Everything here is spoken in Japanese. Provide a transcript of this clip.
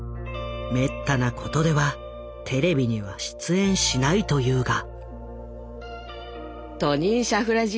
めったなことではテレビには出演しないというが。